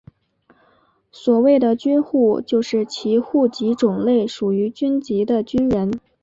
所谓的军户就是其户籍种类属于军籍的军人。